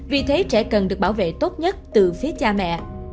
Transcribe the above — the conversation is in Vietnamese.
vì thế trẻ cần được bảo vệ tốt nhất từ phía cha mẹ